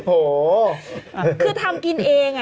โอเคโอเคโอเค